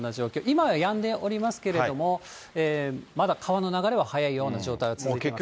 今はやんでおりますけれども、まだ川の流れは速いような状態は続いていますね。